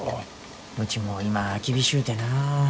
うちも今厳しゅうてな。